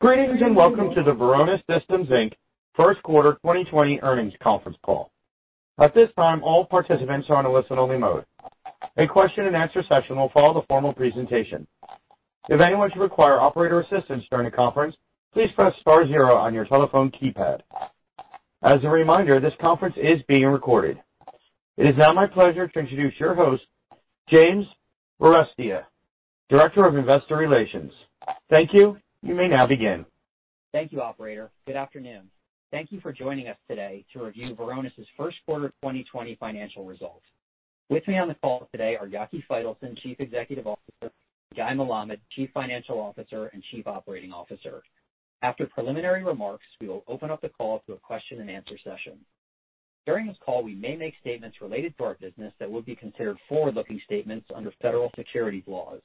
Greetings and welcome to the Varonis Systems, Inc. Q1 2020 Earnings Conference Call. At this time, all participants are on a listen-only mode. A question and answer session will follow the formal presentation. If anyone should require operator assistance during the conference, please press star zero on your telephone keypad. As a reminder, this conference is being recorded. It is now my pleasure to introduce your host, James Arestia, Director of Investor Relations. Thank you. You may now begin. Thank you operator. Good afternoon. Thank you for joining us today to review Varonis' Q1 2020 financial results. With me on the call today are Yaki Faitelson, Chief Executive Officer, and Guy Melamed, Chief Financial Officer and Chief Operating Officer. After preliminary remarks, we will open up the call to a question and answer session. During this call, we may make statements related to our business that will be considered forward-looking statements under Federal Securities laws,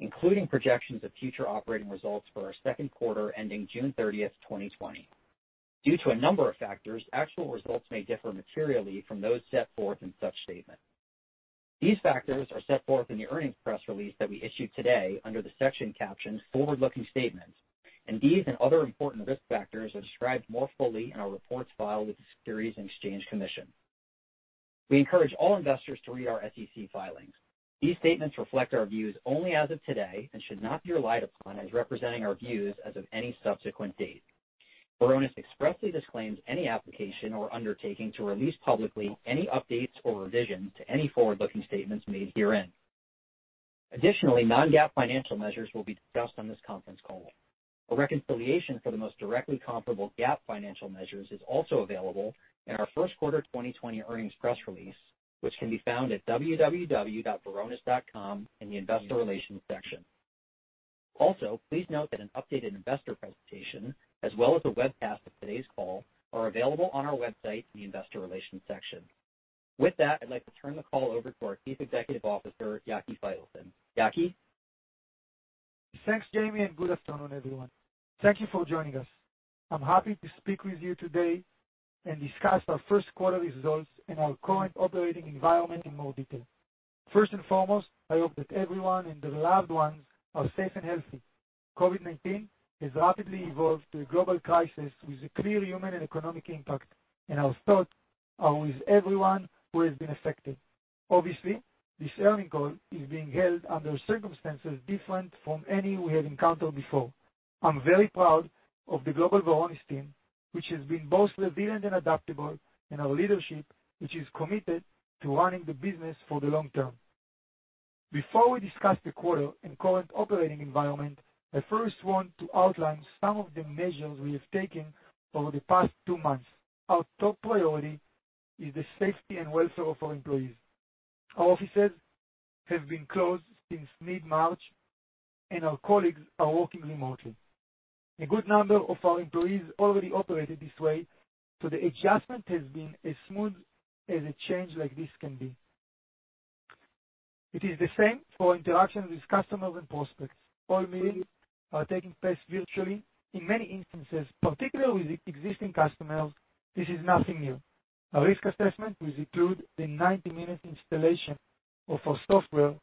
including projections of future operating results for our Q2 ending 30 June, 2020. Due to a number of factors, actual results may differ materially from those set forth in such statements. These factors are set forth in the earnings press release that we issued today under the section captioned Forward-Looking Statements, and these and other important risk factors are described more fully in our reports filed with the Securities and Exchange Commission. We encourage all investors to read our SEC filings. These statements reflect our views only as of today and should not be relied upon as representing our views as of any subsequent date. Varonis expressly disclaims any application or undertaking to release publicly any updates or revisions to any forward-looking statements made herein. Additionally, non-GAAP financial measures will be discussed on this conference call. A reconciliation for the most directly comparable GAAP financial measures is also available in our Q1 2020 earnings press release, which can be found at www.varonis.com in the investor relations section. Please note that an updated investor presentation, as well as a webcast of today's call, are available on our website in the investor relations section. With that, I'd like to turn the call over to our Chief Executive Officer, Yaki Faitelson. Yaki? Thanks, Jamie, and good afternoon, everyone. Thank you for joining us. I'm happy to speak with you today and discuss our Q1 results and our current operating environment in more detail. First and foremost, I hope that everyone and their loved ones are safe and healthy. COVID-19 has rapidly evolved to a global crisis with a clear human and economic impact, and our thoughts are with everyone who has been affected. Obviously, this earning call is being held under circumstances different from any we have encountered before. I'm very proud of the global Varonis team, which has been both resilient and adaptable, and our leadership, which is committed to running the business for the long term. Before we discuss the quarter and current operating environment, I first want to outline some of the measures we have taken over the past two months. Our top priority is the safety and welfare of our employees. Our offices have been closed since mid-March, and our colleagues are working remotely. A good number of our employees already operated this way, so the adjustment has been as smooth as a change like this can be. It is the same for interactions with customers and prospects. All meetings are taking place virtually. In many instances, particularly with existing customers, this is nothing new. A risk assessment, which includes a 90-minute installation of our software,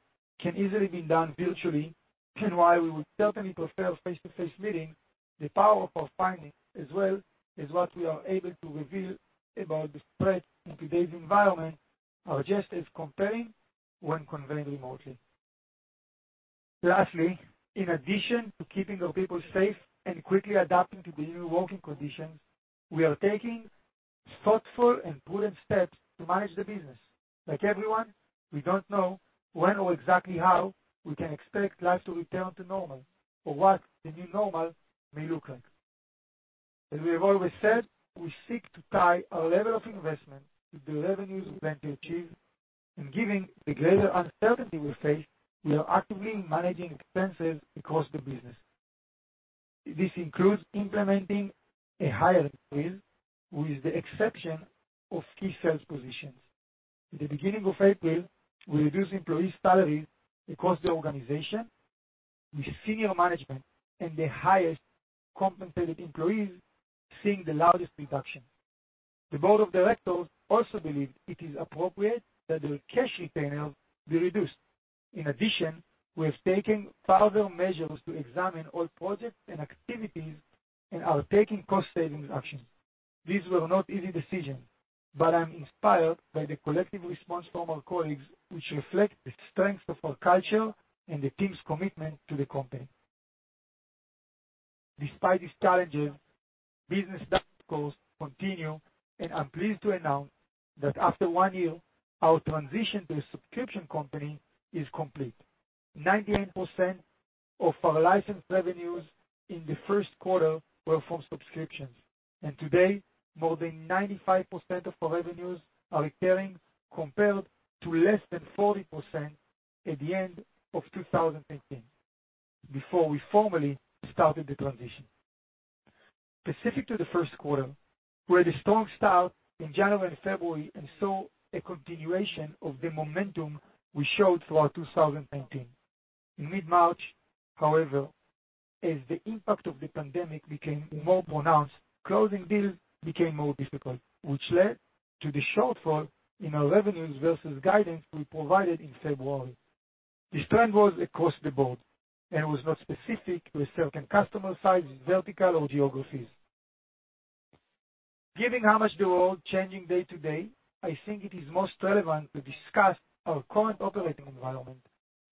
can easily be done virtually, and while we would certainly prefer face-to-face meetings, the power of our findings as well is what we are able to reveal about the spread in today's environment are just as compelling when conveyed remotely. Lastly, in addition to keeping our people safe and quickly adapting to the new working conditions, we are taking thoughtful and prudent steps to manage the business. Like everyone, we don't know when or exactly how we can expect life to return to normal or what the new normal may look like. As we have always said, we seek to tie our level of investment with the revenues we plan to achieve. Given the greater uncertainty we face, we are actively managing expenses across the business. This includes implementing a hire freeze, with the exception of key sales positions. At the beginning of April, we reduced employees' salaries across the organization, with senior management and the highest compensated employees seeing the largest reduction. The board of directors also believes it is appropriate that the cash retainer be reduced. In addition, we have taken further measures to examine all projects and activities and are taking cost-saving actions. These were not easy decisions, but I'm inspired by the collective response from our colleagues, which reflect the strength of our culture and the team's commitment to the company. Despite these challenges, business goals continue, and I'm pleased to announce that after one year, our transition to a subscription company is complete. 98% of our licensed revenues in the Q1 were from subscriptions, and today more than 95% of our revenues are recurring, compared to less than 40% at the end of 2018, before we formally started the transition. Specific to the Q1, we had a strong start in January and February and saw a continuation of the momentum we showed throughout 2019. In mid-March, however, as the impact of the pandemic became more pronounced, closing deals became more difficult, which led to the shortfall in our revenues versus guidance we provided in February. This trend was across the board and was not specific to a certain customer size, vertical, or geographies. Given how much the world changing day to day, I think it is most relevant to discuss our current operating environment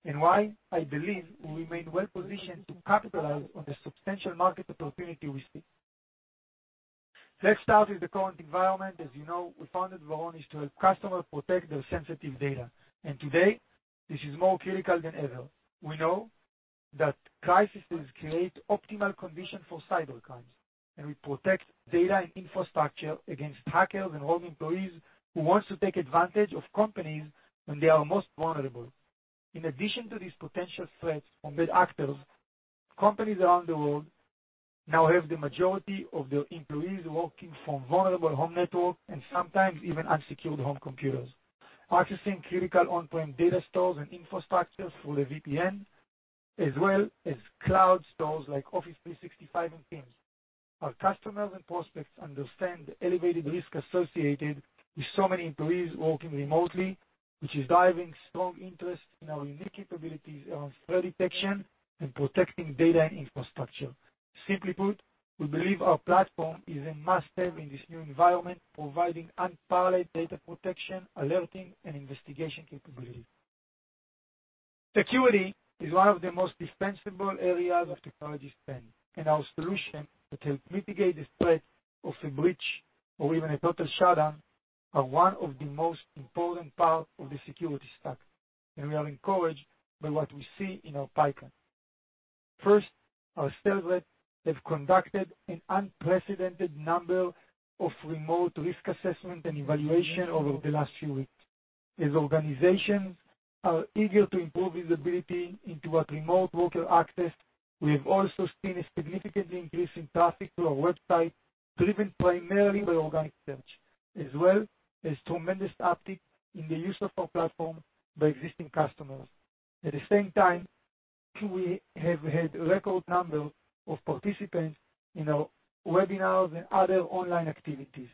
and why I believe we remain well-positioned to capitalize on the substantial market opportunity we see. Let's start with the current environment. As you know, we founded Varonis to help customers protect their sensitive data, and today this is more critical than ever. We know that crises create optimal conditions for cybercrime, and we protect data and infrastructure against hackers and rogue employees who want to take advantage of companies when they are most vulnerable. In addition to these potential threats from bad actors, companies around the world now have the majority of their employees working from vulnerable home networks and sometimes even unsecured home computers, accessing critical on-prem data stores and infrastructures through the VPN, as well as cloud stores like Office 365 and Teams. Our customers and prospects understand the elevated risk associated with so many employees working remotely, which is driving strong interest in our unique capabilities around threat detection and protecting data and infrastructure. Simply put, we believe our platform is a must-have in this new environment, providing unparalleled data protection, alerting, and investigation capabilities. Security is one of the most dispensable areas of technology spend, and our solution to help mitigate the spread of a breach or even a total shutdown are one of the most important parts of the security stack, and we are encouraged by what we see in our pipeline. First, our sales reps have conducted an unprecedented number of remote risk assessments and evaluations over the last few weeks. As organizations are eager to improve visibility into what remote workers access, we have also seen a significant increase in traffic to our website, driven primarily by organic search, as well as tremendous uptick in the use of our platform by existing customers. At the same time, we have had record numbers of participants in our webinars and other online activities.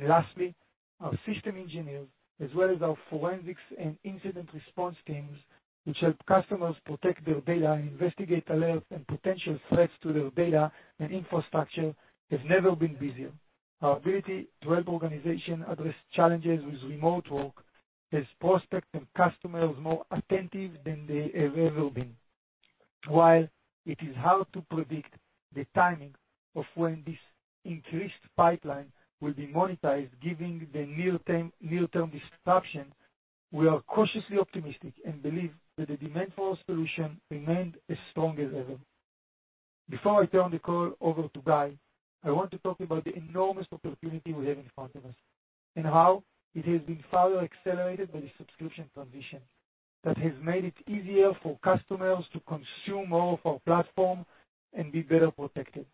Lastly, our system engineers, as well as our forensics and incident response teams, which help customers protect their data and investigate alerts and potential threats to their data and infrastructure, have never been busier. Our ability to help organizations address challenges with remote work has prospects and customers more attentive than they have ever been. While it is hard to predict the timing of when this increased pipeline will be monetized, given the near-term disruption, we are cautiously optimistic and believe that the demand for our solution remains as strong as ever. Before I turn the call over to Guy, I want to talk about the enormous opportunity we have in front of us and how it has been further accelerated by the subscription transition that has made it easier for customers to consume more of our platform and be better protected.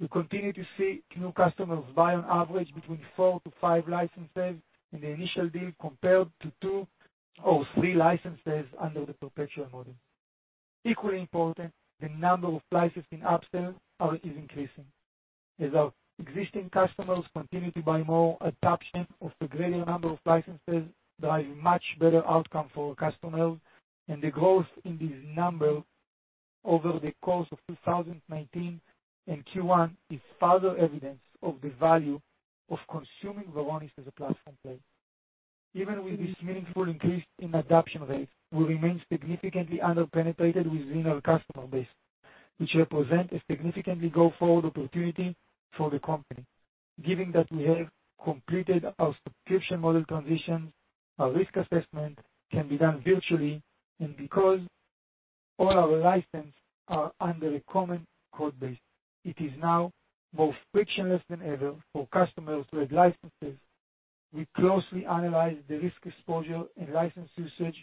We continue to see new customers buy on average between four to five licenses in the initial deal, compared to two or three licenses under the perpetual model. Equally important, the number of licenses being upsells is increasing. As our existing customers continue to buy more, adoption of the greater number of licenses drives much better outcomes for our customers, and the growth in these numbers over the course of 2019 and Q1 is further evidence of the value of consuming Varonis as a platform play. Even with this meaningful increase in adoption rates, we remain significantly under-penetrated within our customer base, which represents a significant go-forward opportunity for the company. Given that we have completed our subscription model transition, our risk assessment can be done virtually, and because all our licenses are under a common code base, it is now more frictionless than ever for customers to add licenses. We closely analyze the risk exposure and license usage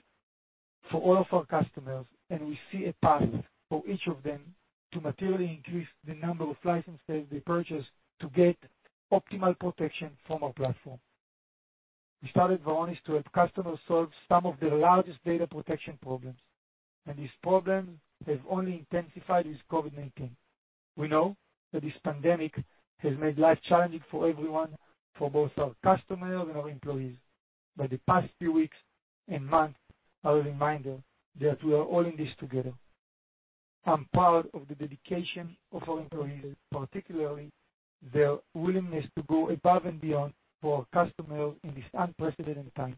for all of our customers, and we see a path for each of them to materially increase the number of licenses they purchase to get optimal protection from our platform. We started Varonis to help customers solve some of their largest data protection problems, and these problems have only intensified with COVID-19. We know that this pandemic has made life challenging for everyone, for both our customers and our employees. The past few weeks and months are a reminder that we are all in this together. I'm proud of the dedication of our employees, particularly their willingness to go above and beyond for our customers in this unprecedented time.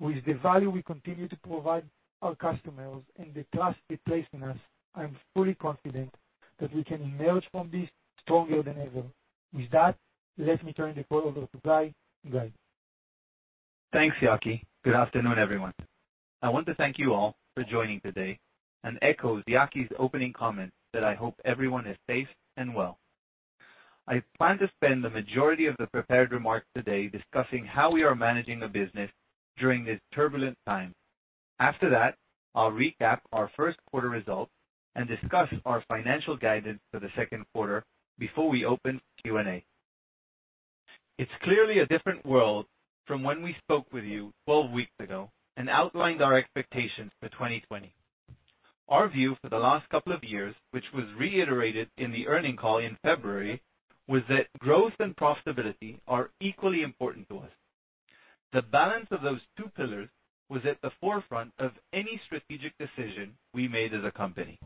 With the value we continue to provide our customers and the trust they place in us, I'm fully confident that we can emerge from this stronger than ever. With that, let me turn the call over to Guy. Guy? Thanks, Yaki. Good afternoon, everyone. I want to thank you all for joining today and echo Yaki's opening comments, that I hope everyone is safe and well. I plan to spend the majority of the prepared remarks today discussing how we are managing the business during this turbulent time. After that, I'll recap our Q1 results and discuss our financial guidance for the Q2 before we open Q&A. It's clearly a different world from when we spoke with you 12 weeks ago and outlined our expectations for 2020. Our view for the last couple of years, which was reiterated in the earnings call in February, was that growth and profitability are equally important to us. The balance of those two pillars was at the forefront of any strategic decision we made as a company.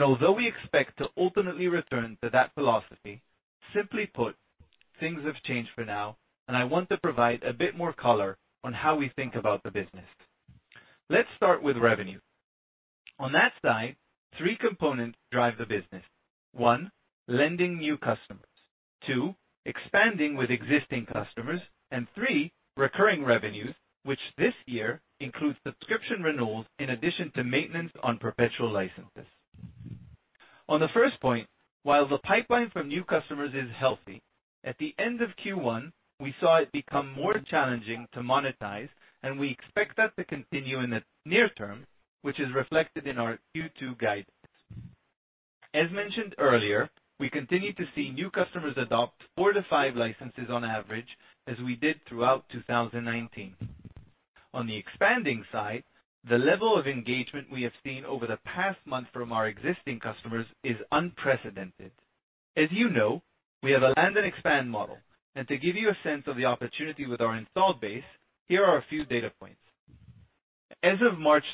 Although we expect to ultimately return to that philosophy, simply put, things have changed for now, I want to provide a bit more color on how we think about the business. Let's start with revenue. On that side, three components drive the business. One, lending new customers. Two, expanding with existing customers. Three, recurring revenues, which this year includes subscription renewals in addition to maintenance on perpetual licenses. On the first point, while the pipeline from new customers is healthy, at the end of Q1, we saw it become more challenging to monetize, and we expect that to continue in the near term, which is reflected in our Q2 guidance. As mentioned earlier, we continue to see new customers adopt four to five licenses on average, as we did throughout 2019. On the expanding side, the level of engagement we have seen over the past month from our existing customers is unprecedented. As you know, we have a land and expand model, and to give you a sense of the opportunity with our installed base, here are a few data points. As of 31 March,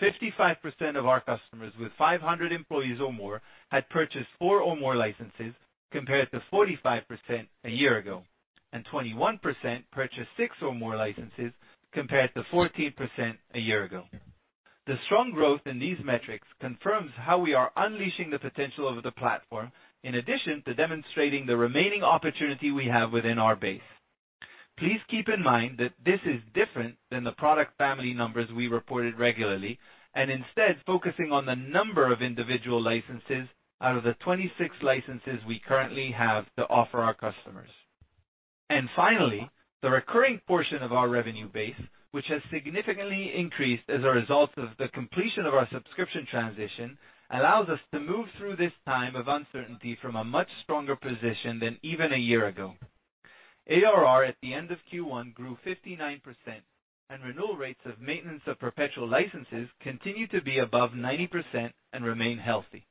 55% of our customers with 500 employees or more had purchased four or more licenses, compared to 45% a year ago, and 21% purchased six or more licenses, compared to 14% a year ago. The strong growth in these metrics confirms how we are unleashing the potential of the platform, in addition to demonstrating the remaining opportunity we have within our base. Please keep in mind that this is different than the product family numbers we reported regularly, and instead focusing on the number of individual licenses out of the 26 licenses we currently have to offer our customers. Finally, the recurring portion of our revenue base, which has significantly increased as a result of the completion of our subscription transition, allows us to move through this time of uncertainty from a much stronger position than even a year ago. ARR at the end of Q1 grew 59%, and renewal rates of maintenance of perpetual licenses continue to be above 90% and remain healthy.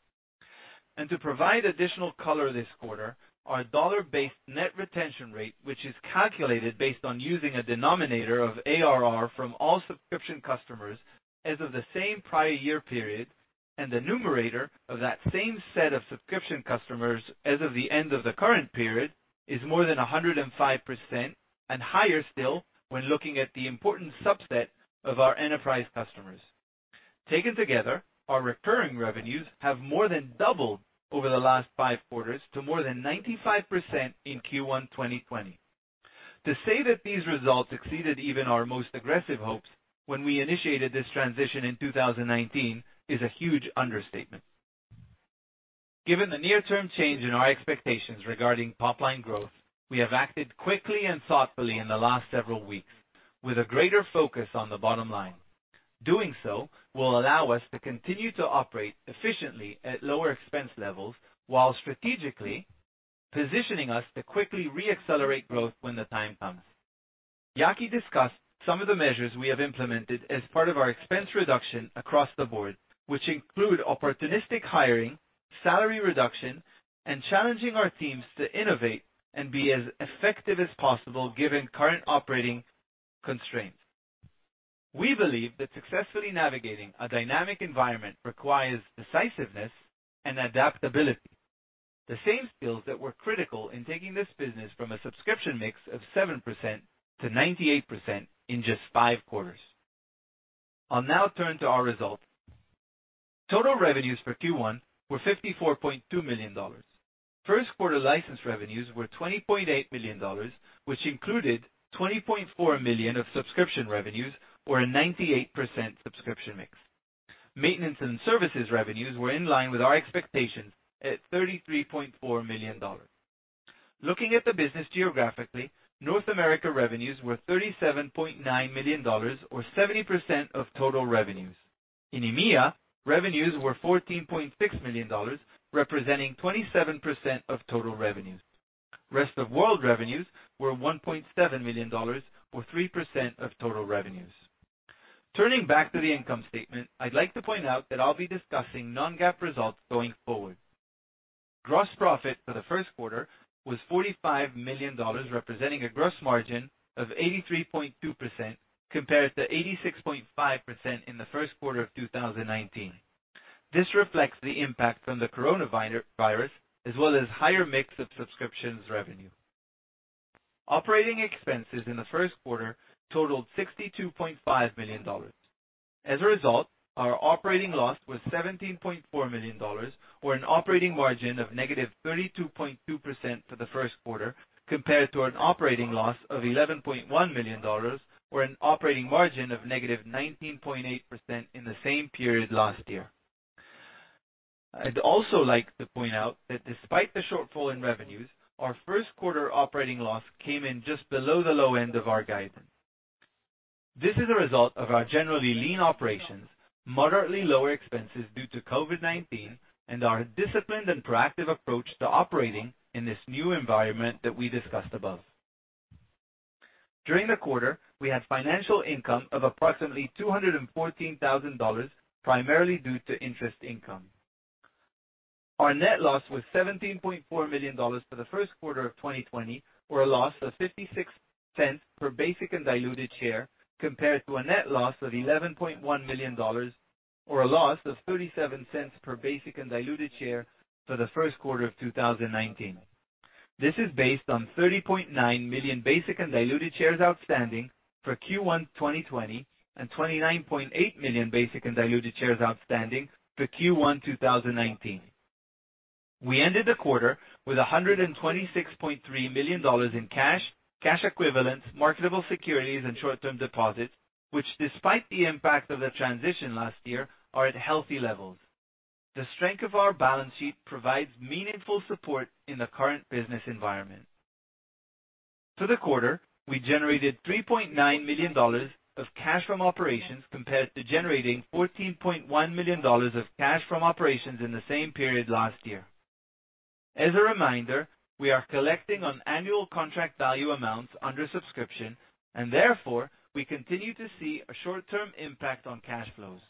To provide additional color this quarter, our dollar-based net retention rate, which is calculated based on using a denominator of ARR from all subscription customers as of the same prior year period, and the numerator of that same set of subscription customers as of the end of the current period, is more than 105% and higher still when looking at the important subset of our enterprise customers. Taken together, our recurring revenues have more than doubled over the last five quarters to more than 95% in Q1 2020. To say that these results exceeded even our most aggressive hopes when we initiated this transition in 2019 is a huge understatement. Given the near-term change in our expectations regarding top-line growth, we have acted quickly and thoughtfully in the last several weeks with a greater focus on the bottom line. Doing so will allow us to continue to operate efficiently at lower expense levels while strategically positioning us to quickly re-accelerate growth when the time comes. Yaki discussed some of the measures we have implemented as part of our expense reduction across the board, which include opportunistic hiring, salary reduction, and challenging our teams to innovate and be as effective as possible given current operating constraints. We believe that successfully navigating a dynamic environment requires decisiveness and adaptability, the same skills that were critical in taking this business from a subscription mix of 7% to 98% in just five quarters. I'll now turn to our results. Total revenues for Q1 were $54.2 million. Q1 license revenues were $20.8 million, which included $20.4 million of subscription revenues or a 98% subscription mix. Maintenance and services revenues were in line with our expectations at $33.4 million. Looking at the business geographically, North America revenues were $37.9 million or 70% of total revenues. In EMEA, revenues were $14.6 million, representing 27% of total revenues. Rest of World revenues were $1.7 million or 3% of total revenues. Turning back to the income statement, I'd like to point out that I'll be discussing non-GAAP results going forward. Gross profit for the Q1 was $45 million, representing a gross margin of 83.2% compared to 86.5% in the Q1 of 2019. This reflects the impact from the coronavirus as well as higher mix of subscriptions revenue. Operating expenses in the Q1 totaled $62.5 million. As a result, our operating loss was $17.4 million or an operating margin of negative 32.2% for the Q1, compared to an operating loss of $11.1 million or an operating margin of negative 19.8% in the same period last year. I'd also like to point out that despite the shortfall in revenues, our Q1 operating loss came in just below the low end of our guidance. This is a result of our generally lean operations, moderately lower expenses due to COVID-19, and our disciplined and proactive approach to operating in this new environment that we discussed above. During the quarter, we had financial income of approximately $214,000, primarily due to interest income. Our net loss was $17.4 million for the Q1 of 2020, or a loss of $0.56 per basic and diluted share, compared to a net loss of $11.1 million, or a loss of $0.37 per basic and diluted share for the Q1 of 2019. This is based on 30.9 million basic and diluted shares outstanding for Q1 2020 and 29.8 million basic and diluted shares outstanding for Q1 2019. We ended the quarter with $126.3 million in cash equivalents, marketable securities, and short-term deposits, which despite the impact of the transition last year, are at healthy levels. The strength of our balance sheet provides meaningful support in the current business environment. For the quarter, we generated $3.9 million of cash from operations compared to generating $14.1 million of cash from operations in the same period last year. As a reminder, we are collecting on annual contract value amounts under subscription, and therefore, we continue to see a short-term impact on cash flows.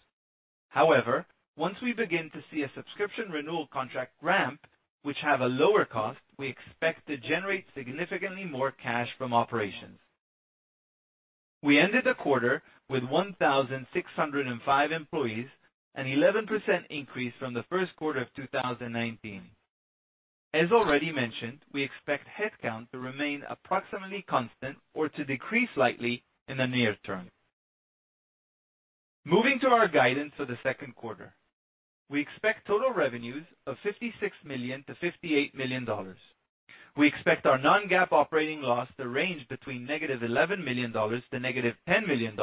However, once we begin to see a subscription renewal contract ramp, which have a lower cost, we expect to generate significantly more cash from operations. We ended the quarter with 1,605 employees, an 11% increase from the Q1 of 2019. As already mentioned, we expect headcount to remain approximately constant or to decrease slightly in the near term. Moving to our guidance for the Q2. We expect total revenues of $56 million-$58 million. We expect our non-GAAP operating loss to range between negative $11 million-negative $10 million,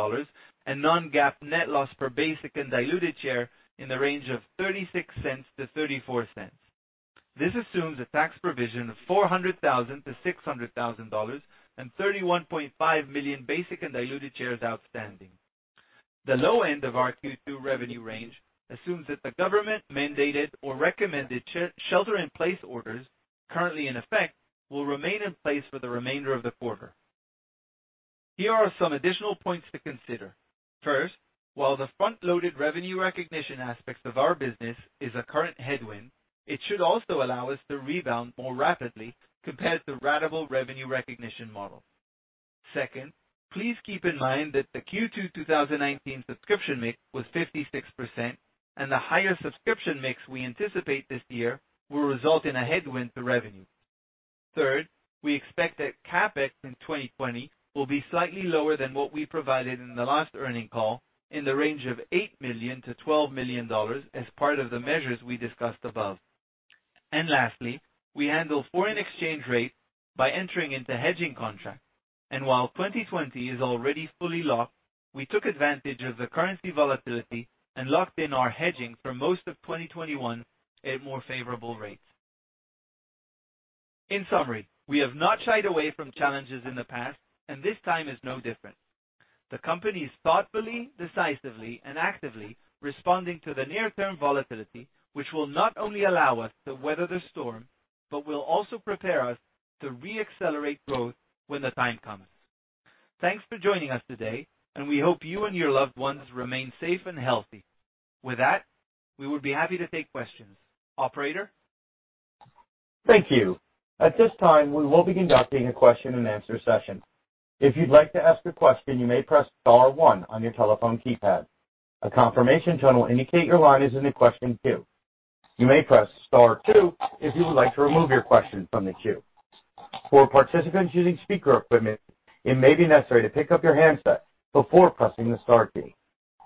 and non-GAAP net loss per basic and diluted share in the range of $0.36-$0.34. This assumes a tax provision of $400,000-$600,000 and 31.5 million basic and diluted shares outstanding. The low end of our Q2 revenue range assumes that the government-mandated or recommended shelter-in-place orders currently in effect will remain in place for the remainder of the quarter. Here are some additional points to consider. First, while the front-loaded revenue recognition aspect of our business is a current headwind, it should also allow us to rebound more rapidly compared to ratable revenue recognition models. Second, please keep in mind that the Q2 2019 subscription mix was 56%, and the higher subscription mix we anticipate this year will result in a headwind to revenue. Third, we expect that CapEx in 2020 will be slightly lower than what we provided in the last earning call in the range of $8 million-$12 million as part of the measures we discussed above. Lastly, we handle foreign exchange rate by entering into hedging contracts. While 2020 is already fully locked, we took advantage of the currency volatility and locked in our hedging for most of 2021 at more favorable rates. In summary, we have not shied away from challenges in the past, and this time is no different. The company is thoughtfully, decisively, and actively responding to the near-term volatility, which will not only allow us to weather the storm, but will also prepare us to re-accelerate growth when the time comes. Thanks for joining us today, and we hope you and your loved ones remain safe and healthy. With that, we would be happy to take questions. Operator? Thank you. At this time, we will be conducting a question and answer session. If you'd like to ask a question, you may press star one on your telephone keypad. A confirmation tone will indicate your line is in the question queue. You may press star two if you would like to remove your question from the queue. For participants using speaker equipment, it may be necessary to pick up your handset before pressing the star key.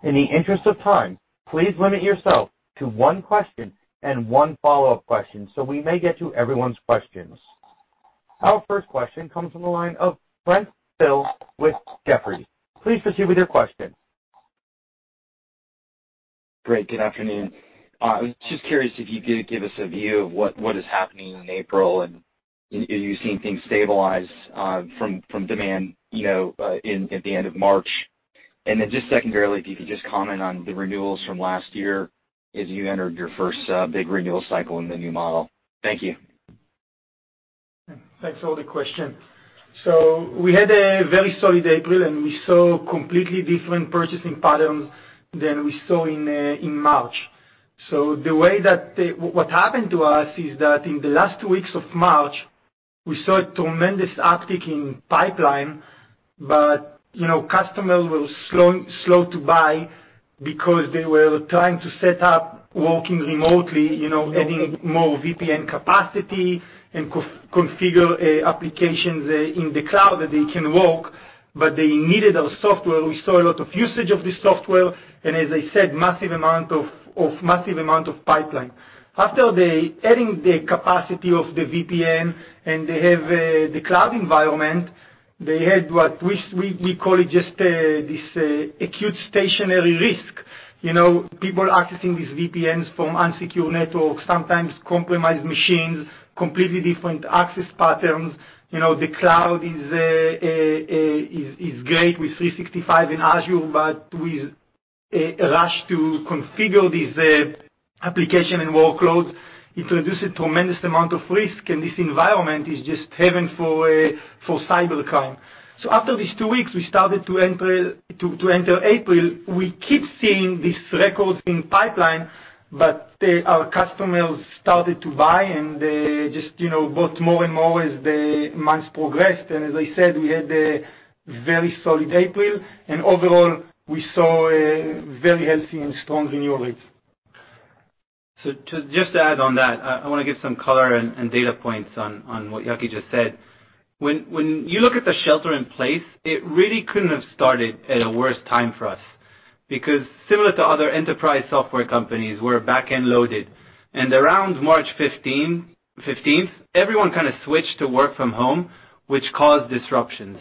In the interest of time, please limit yourself to one question and one follow-up question so we may get to everyone's questions. Our first question comes from the line of Brent Thill with Jefferies. Please proceed with your question. Great. Good afternoon. I was just curious if you could give us a view of what is happening in April, and are you seeing things stabilize from demand at the end of March? Just secondarily, if you could just comment on the renewals from last year as you entered your first big renewal cycle in the new model. Thank you. Thanks for the question. We had a very solid April, and we saw completely different purchasing patterns than we saw in March. What happened to us is that in the last two weeks of March, we saw a tremendous uptick in pipeline, but customers were slow to buy because they were trying to set up working remotely, adding more VPN capacity and configure applications in the cloud that they can work, but they needed our software. We saw a lot of usage of the software, and as I said, massive amount of pipeline. After adding the capacity of the VPN and they have the cloud environment, they had what we call it just this acute stationary risk. People accessing these VPNs from unsecure networks, sometimes compromised machines, completely different access patterns. The cloud is great with 365 and Azure, we A rush to configure these application and workloads introduces tremendous amount of risk. This environment is just heaven for cybercrime. After these two weeks, we started to enter April, we keep seeing these records in pipeline. Our customers started to buy. They just bought more and more as the months progressed. As I said, we had a very solid April. Overall, we saw a very healthy and strong renewal rates. Just to add on that, I want to give some color and data points on what Yaki just said. When you look at the shelter in place, it really couldn't have started at a worse time for us, because similar to other enterprise software companies, we're back-end loaded. Around March 15th, everyone kind of switched to work from home, which caused disruptions.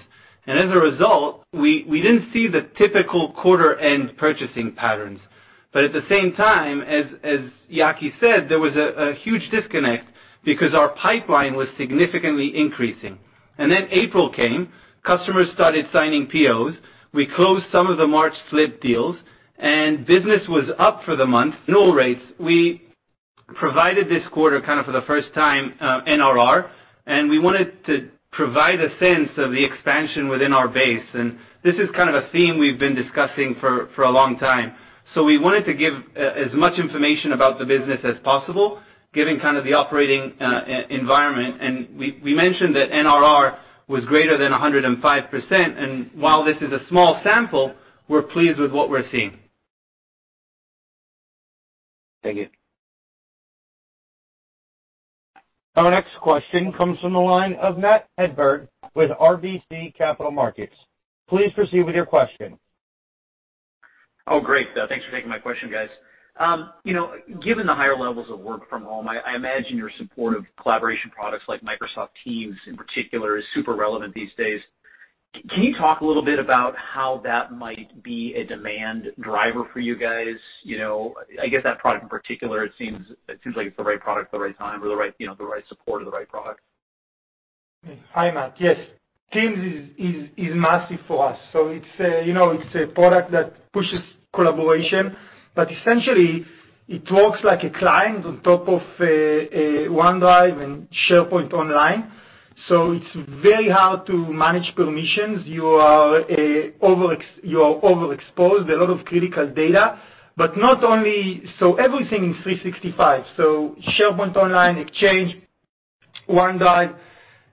As a result, we didn't see the typical quarter-end purchasing patterns. At the same time, as Yaki said, there was a huge disconnect because our pipeline was significantly increasing. April came, customers started signing POs. We closed some of the March slip deals, and business was up for the month. Renewal rates, we provided this quarter, kind of for the first time, NRR, and we wanted to provide a sense of the expansion within our base. This is kind of a theme we've been discussing for a long time. We wanted to give as much information about the business as possible, given kind of the operating environment. We mentioned that NRR was greater than 105%, and while this is a small sample, we're pleased with what we're seeing. Thank you. Our next question comes from the line of Matt Hedberg with RBC Capital Markets. Please proceed with your question. Oh, great. Thanks for taking my question, guys. Given the higher levels of work from home, I imagine your support of collaboration products like Microsoft Teams in particular, is super relevant these days. Can you talk a little bit about how that might be a demand driver for you guys? I guess that product in particular, it seems like it's the right product at the right time or the right support or the right product. Hi, Matt. Yes. Teams is massive for us. It's a product that pushes collaboration, but essentially it works like a client on top of OneDrive and SharePoint Online, so it's very hard to manage permissions. You are overexposed, a lot of critical data. Everything in 365, so SharePoint Online, Exchange, OneDrive,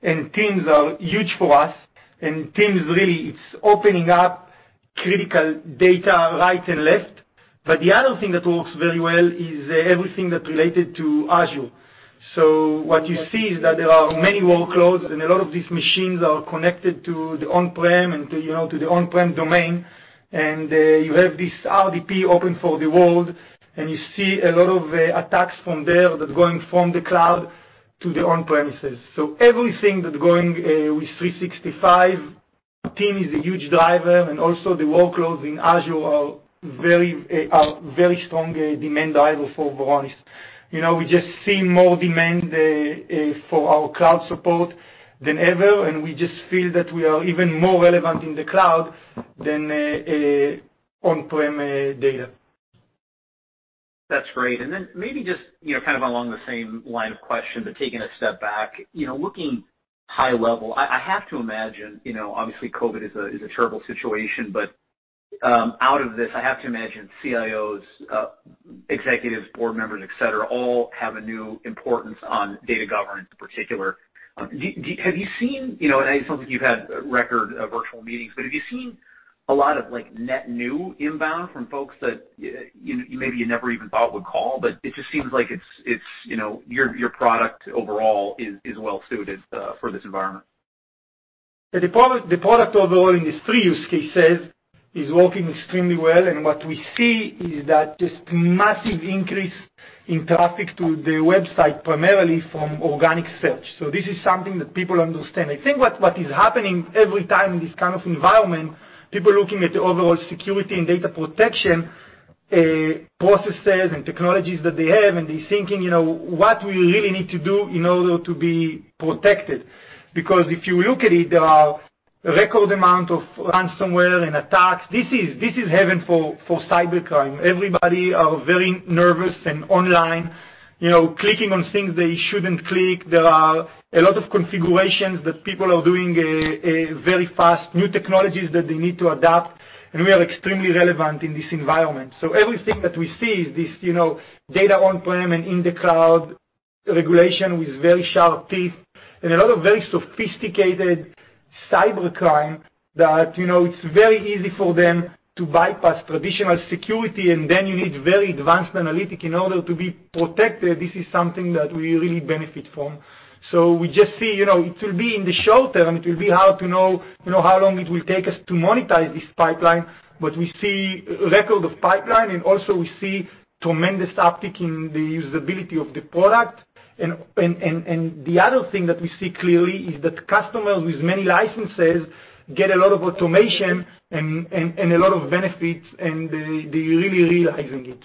and Teams are huge for us. Teams really, it's opening up critical data right and left. The other thing that works very well is everything that related to Azure. What you see is that there are many workloads and a lot of these machines are connected to the on-prem and to the on-prem domain, and you have this RDP open for the world, and you see a lot of attacks from there that's going from the cloud to the on-premises. Everything that's going with 365, Team is a huge driver, and also the workloads in Azure are very strong demand driver for Varonis. We just see more demand for our cloud support than ever, and we just feel that we are even more relevant in the cloud than on-prem data. That's great. Maybe just kind of along the same line of question, but taking a step back. Looking high level, I have to imagine, obviously COVID is a terrible situation, but out of this, I have to imagine CIOs, executives, board members, et cetera, all have a new importance on data governance in particular. It sounds like you've had record virtual meetings, but have you seen a lot of net new inbound from folks that maybe you never even thought would call? It just seems like your product overall is well suited for this environment. The product overall in these three use cases is working extremely well. What we see is that just massive increase in traffic to the website, primarily from organic search. This is something that people understand. I think what is happening every time in this kind of environment, people looking at the overall security and data protection, processes and technologies that they have. They're thinking, what we really need to do in order to be protected. If you look at it, there are record amount of ransomware and attacks. This is heaven for cybercrime. Everybody are very nervous and online, clicking on things they shouldn't click. There are a lot of configurations that people are doing very fast, new technologies that they need to adapt. We are extremely relevant in this environment. Everything that we see is this data on-prem and in the cloud, regulation with very sharp teeth, and a lot of very sophisticated cybercrime that it's very easy for them to bypass traditional security, and then you need very advanced analytics in order to be protected. This is something that we really benefit from. We just see, it will be in the short term, it will be hard to know how long it will take us to monetize this pipeline, but we see record of pipeline, and also we see tremendous uptick in the usability of the product. The other thing that we see clearly is that customers with many licenses get a lot of automation and a lot of benefits, and they really realizing it.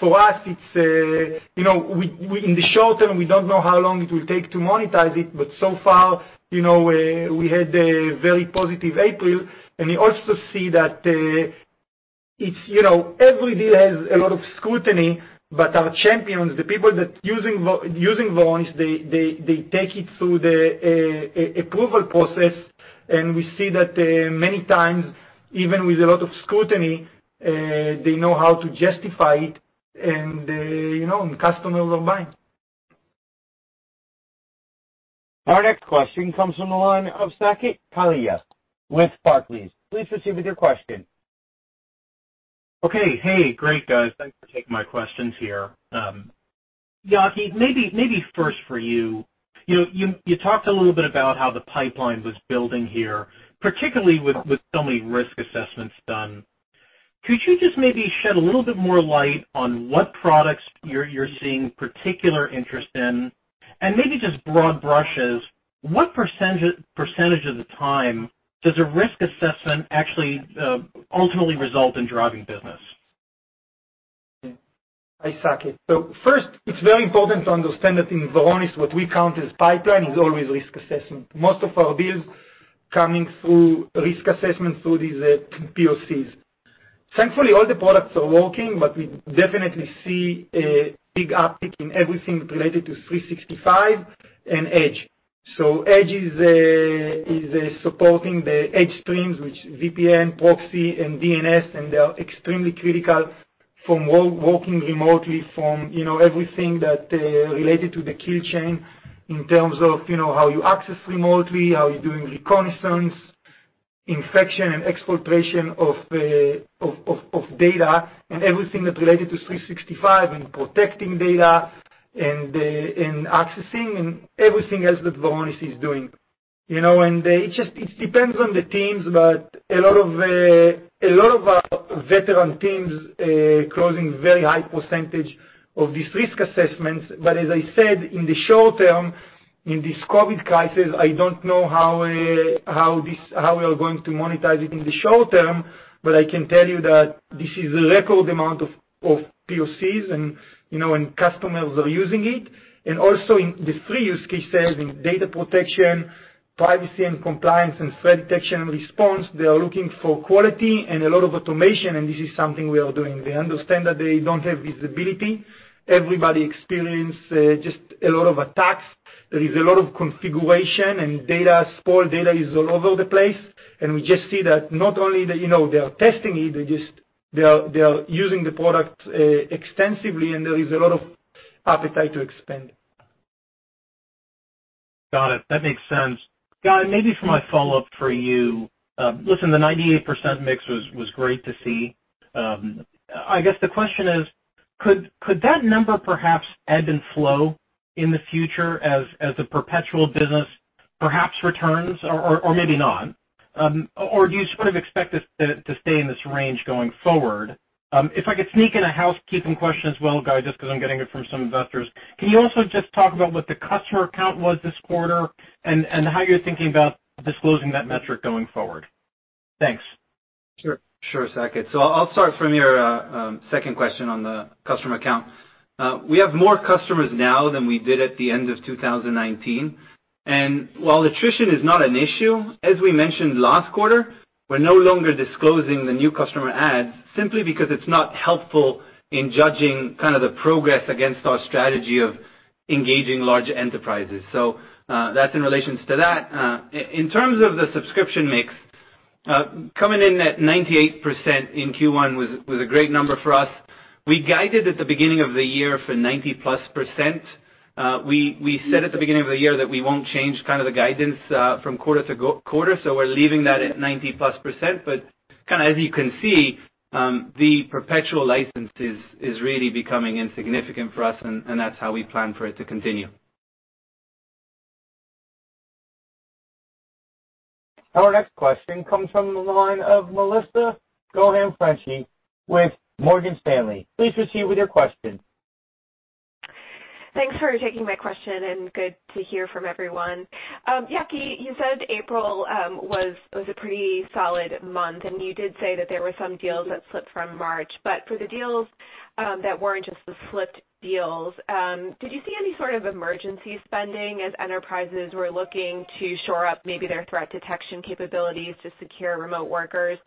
For us, in the short term, we don't know how long it will take to monetize it, but so far, we had a very positive April. We also see that. Every deal has a lot of scrutiny, but our champions, the people that using Varonis, they take it through the approval process, and we see that many times, even with a lot of scrutiny, they know how to justify it, and the customers are buying. Our next question comes from the line of Saket Kalia with Barclays. Please proceed with your question. Okay. Hey, great guys. Thanks for taking my questions here. Yaki, maybe first for you. You talked a little bit about how the pipeline was building here, particularly with so many risk assessments done. Could you just maybe shed a little bit more light on what products you're seeing particular interest in, and maybe just broad brushes, what percentage of the time does a risk assessment actually ultimately result in driving business? Hi, Saket. First, it's very important to understand that in Varonis, what we count as pipeline is always risk assessment. Most of our deals coming through risk assessment, through these POCs. Thankfully, all the products are working, but we definitely see a big uptick in everything related to 365 and Edge. Edge is supporting the Edge streams, which VPN, proxy, and DNS, and they are extremely critical from working remotely, from everything that related to the key chain in terms of how you access remotely, how you're doing reconnaissance, infection, and exfiltration of data and everything that's related to 365 and protecting data and accessing and everything else that Varonis is doing. It depends on the teams, but a lot of our veteran teams closing very high percentage of these risk assessments. As I said, in the short term, in this COVID-19 crisis, I don't know how we are going to monetize it in the short term, but I can tell you that this is a record amount of POCs and customers are using it. Also, in the three use case studies in data protection, privacy and compliance, and threat detection and response, they are looking for quality and a lot of automation, and this is something we are doing. We understand that they don't have visibility. Everybody experience just a lot of attacks. There is a lot of configuration and data spoil. Data is all over the place. We just see that not only they are testing it, they are using the product extensively, and there is a lot of appetite to expand. Got it. That makes sense. Guy, maybe for my follow-up for you. Listen, the 98% mix was great to see. I guess the question is, could that number perhaps ebb and flow in the future as the perpetual business perhaps returns, or maybe not? Do you sort of expect it to stay in this range going forward? If I could sneak in a housekeeping question as well, Guy, just because I'm getting it from some investors, can you also just talk about what the customer count was this quarter and how you're thinking about disclosing that metric going forward? Thanks. Sure, Saket. I'll start from your second question on the customer count. We have more customers now than we did at the end of 2019. While attrition is not an issue, as we mentioned last quarter, we're no longer disclosing the new customer adds simply because it's not helpful in judging kind of the progress against our strategy of engaging large enterprises. That's in relations to that. In terms of the subscription mix, coming in at 98% in Q1 was a great number for us. We guided at the beginning of the year for 90%+. We said at the beginning of the year that we won't change kind of the guidance from quarter to quarter, so we're leaving that at 90%+. Kind of as you can see, the perpetual license is really becoming insignificant for us, and that's how we plan for it to continue. Our next question comes from the line of Melissa Franchi with Morgan Stanley. Please proceed with your question. Thanks for taking my question, and good to hear from everyone. Yaki, you said April was a pretty solid month, and you did say that there were some deals that slipped from March. For the deals that weren't just the slipped deals, did you see any sort of emergency spending as enterprises were looking to shore up maybe their threat detection capabilities to secure remote workers?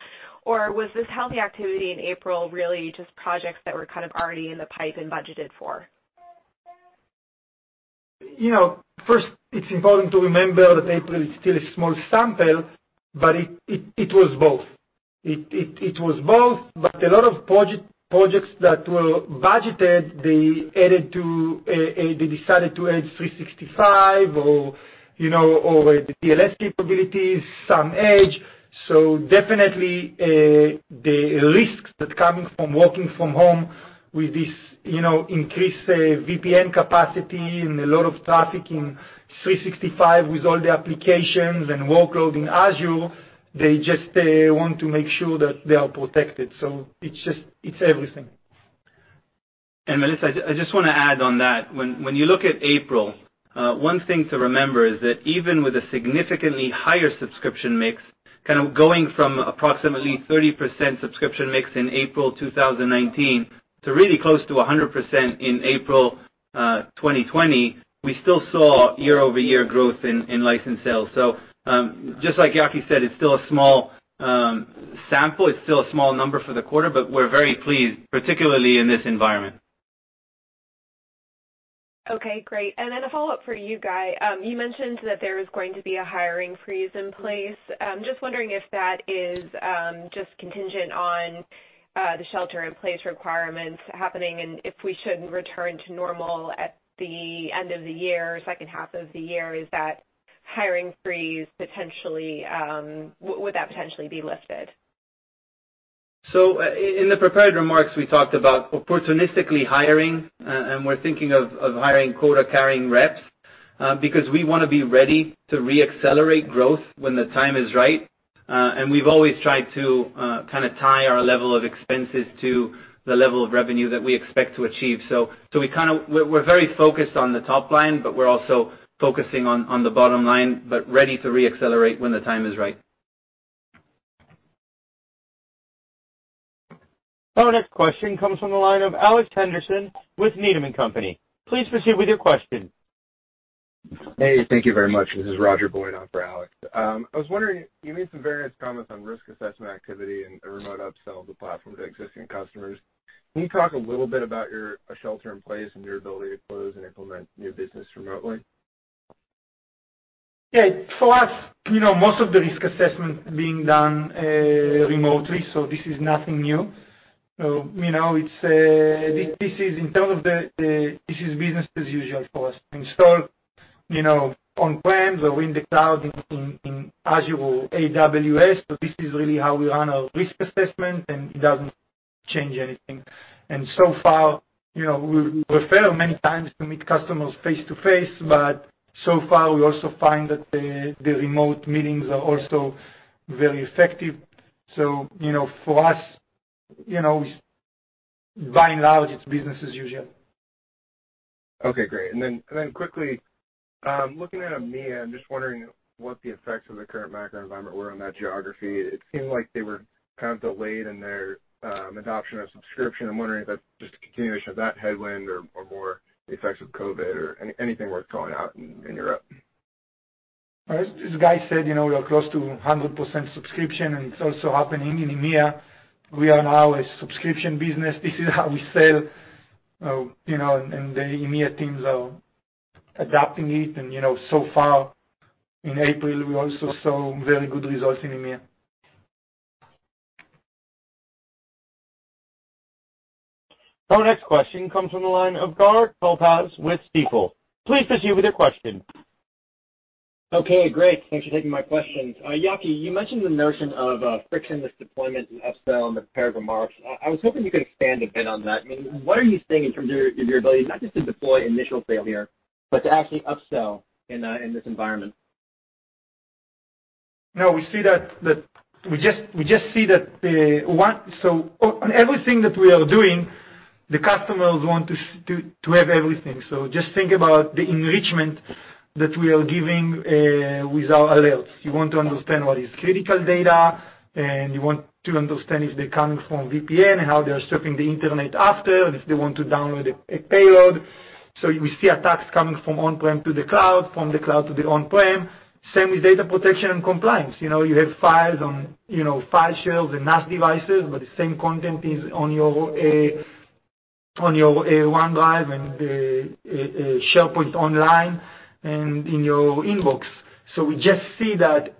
Was this healthy activity in April really just projects that were kind of already in the pipe and budgeted for? First, it's important to remember that April is still a small sample, but it was both. It was both, but a lot of projects that were budgeted, they decided to add 365 or the TLS capabilities, some Edge. Definitely, the risks that's coming from working from home with this increased VPN capacity and a lot of traffic in 365 with all the applications and workload in Azure, they just want to make sure that they are protected. It's everything. Melissa, I just want to add on that. When you look at April, one thing to remember is that even with a significantly higher subscription mix, kind of going from approximately 30% subscription mix in April 2019 to really close to 100% in April 2020, we still saw year-over-year growth in license sales. Just like Yaki said, it's still a small sample, it's still a small number for the quarter, but we're very pleased, particularly in this environment. Okay, great. A follow-up for you, Guy. You mentioned that there is going to be a hiring freeze in place. I'm just wondering if that is just contingent on the shelter-in-place requirements happening, and if we should return to normal at the end of the year, H2 of the year, is that hiring freeze, would that potentially be lifted? In the prepared remarks, we talked about opportunistically hiring, and we're thinking of hiring quota-carrying reps, because we want to be ready to re-accelerate growth when the time is right. We've always tried to kind of tie our level of expenses to the level of revenue that we expect to achieve. We're very focused on the top line, but we're also focusing on the bottom line, but ready to re-accelerate when the time is right. Our next question comes from the line of Alex Henderson with Needham & Company. Please proceed with your question. Hey, thank you very much. This is Roger Boyd on for Alex. I was wondering, you made some various comments on risk assessment activity and a remote upsell of the platform to existing customers. Can you talk a little bit about your shelter in place and your ability to close and implement new business remotely? Yeah. For us, most of the risk assessment being done remotely, so this is nothing new. This is business as usual for us. Installed, on-prem or in the cloud, in Azure or AWS. This is really how we run our risk assessment, and it doesn't change anything. So far, we prefer many times to meet customers face-to-face, but so far we also find that the remote meetings are also very effective. For us, by and large, it's business as usual. Okay, great. Quickly, looking at EMEA, I'm just wondering what the effects of the current macro environment were on that geography. It seemed like they were kind of delayed in their adoption of subscription. I'm wondering if that's just a continuation of that headwind or more the effects of COVID or anything worth calling out in Europe. As Guy said, we are close to 100% subscription, and it's also happening in EMEA. We are now a subscription business. This is how we sell, and the EMEA teams are adapting it. So far, in April, we also saw very good results in EMEA. Our next question comes from the line of Gur Talpaz with Stifel. Please proceed with your question. Okay, great. Thanks for taking my questions. Yaki, you mentioned the notion of a frictionless deployment and upsell in the prepared remarks. I was hoping you could expand a bit on that. I mean, what are you seeing in terms of your ability not just to deploy initial sale here, but to actually upsell in this environment? No, we just see that on everything that we are doing, the customers want to have everything. Just think about the enrichment that we are giving, with our alerts. You want to understand what is critical data, and you want to understand if they're coming from VPN and how they are surfing the internet after, and if they want to download a payload. You see attacks coming from on-prem to the cloud, from the cloud to the on-prem. Same with data protection and compliance. You have files on file shares and NAS devices, but the same content is on your OneDrive and SharePoint Online and in your inbox. We just see that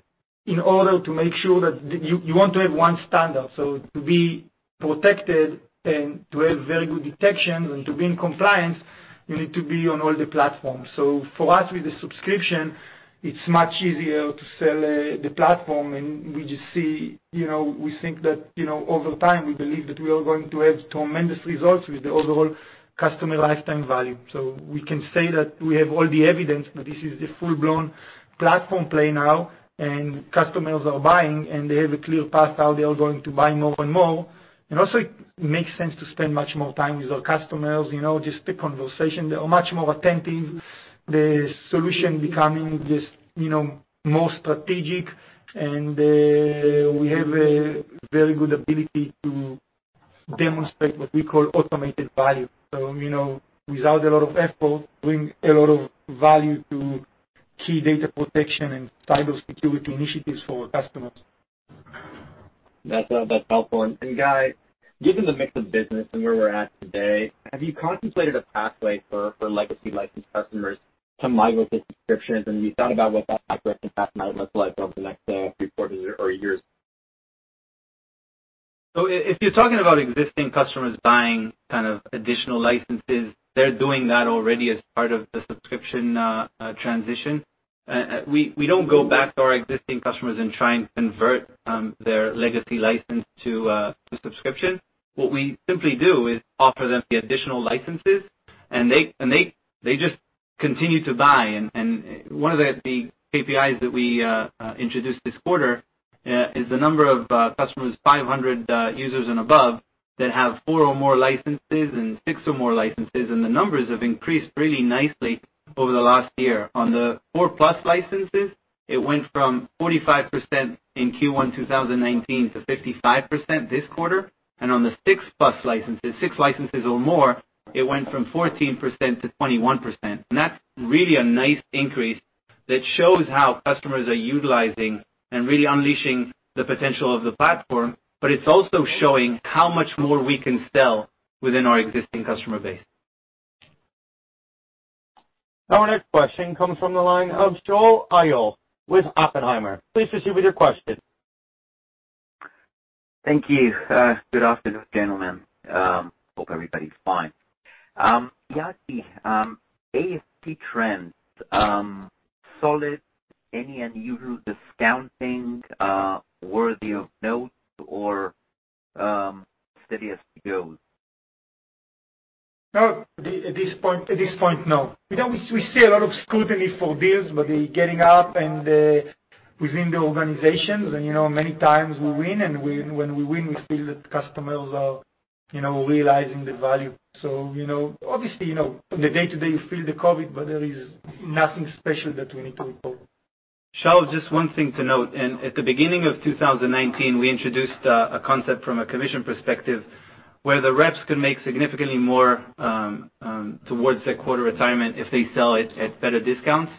in order to make sure that you want to have one standard, so to be protected and to have very good detections and to be in compliance, you need to be on all the platforms. For us, with the subscription, it's much easier to sell the platform, and we just see, we think that, over time, we believe that we are going to have tremendous results with the overall customer lifetime value. We can say that we have all the evidence that this is a full-blown platform play now, and customers are buying, and they have a clear path how they are going to buy more and more. Also, it makes sense to spend much more time with our customers, just the conversation. They are much more attentive. The solution becoming just more strategic, and we have a very good ability to demonstrate what we call automated value. Without a lot of effort, bring a lot of value to key data protection and cybersecurity initiatives for our customers. That's helpful. Guy, given the mix of business and where we're at today, have you contemplated a pathway for legacy license customers to migrate to subscriptions? Have you thought about what that migration path might look like over the next three quarters or years? If you're talking about existing customers buying kind of additional licenses, they're doing that already as part of the subscription transition. We don't go back to our existing customers and try and convert their legacy license to subscription. What we simply do is offer them the additional licenses, and they just continue to buy. One of the KPIs that we introduced this quarter, is the number of customers, 500 users and above, that have four or more licenses and six or more licenses, and the numbers have increased really nicely over the last year. On the four-plus licenses, it went from 45% in Q1 2019 to 55% this quarter. On the six-plus licenses, six licenses or more, it went from 14% to 21%. That's really a nice increase. That shows how customers are utilizing and really unleashing the potential of the platform, but it's also showing how much more we can sell within our existing customer base. Our next question comes from the line of Shaul Eyal with Oppenheimer. Please proceed with your question. Thank you. Good afternoon, gentlemen. Hope everybody's fine. Yaki, ASP trends, solid, any unusual discounting worthy of note or steady as she goes? No. At this point, no. We see a lot of scrutiny for deals. They're getting up and within the organizations. Many times we win. When we win, we feel that customers are realizing the value. Obviously, in the day-to-day, you feel the COVID. There is nothing special that we need to report. Shaul, just one thing to note. In the beginning of 2019, we introduced a concept from a commission perspective where the reps can make significantly more towards their quarter retirement if they sell it at better discounts,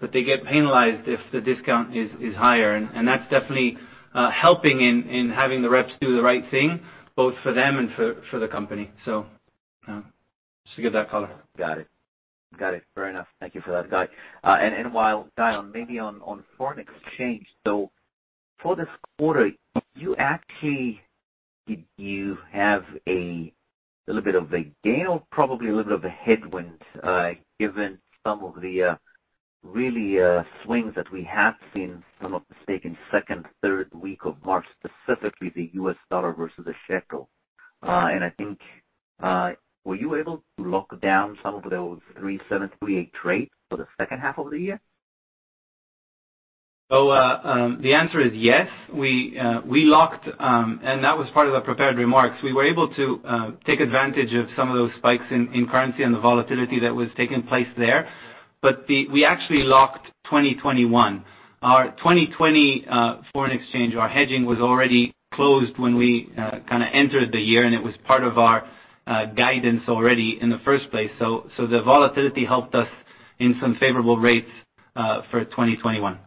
but they get penalized if the discount is higher. That's definitely helping in having the reps do the right thing, both for them and for the company. Just to give that color. Got it. Fair enough. Thank you for that, Guy. While, Guy, on maybe on foreign exchange. For this quarter, did you have a little bit of a gain or probably a little bit of a headwind, given some of the really swings that we have seen, some of the stake in second, third week of March, specifically the US dollar versus the shekel? I think, were you able to lock down some of those three seven, three eight rates for the H2 of the year? The answer is yes. We locked, and that was part of the prepared remarks. We were able to take advantage of some of those spikes in currency and the volatility that was taking place there. We actually locked 2021. Our 2020 foreign exchange, our hedging was already closed when we kind of entered the year, and it was part of our guidance already in the first place. The volatility helped us in some favorable rates for 2021.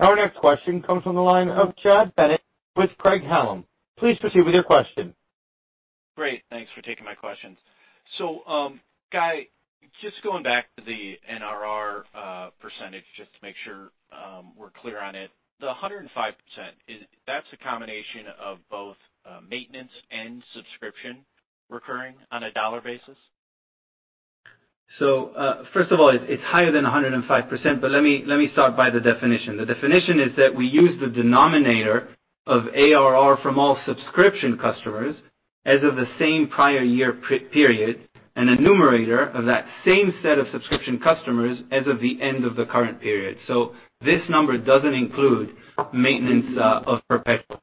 Our next question comes from the line of Chad Bennett with Craig-Hallum. Please proceed with your question. Great. Thanks for taking my questions. Guy, just going back to the NRR% to make sure we're clear on it. The 105%, that's a combination of both maintenance and subscription recurring on a dollar basis? First of all, it's higher than 105%, but let me start by the definition. The definition is that we use the denominator of ARR from all subscription customers as of the same prior year period, and a numerator of that same set of subscription customers as of the end of the current period. This number doesn't include maintenance of perpetual.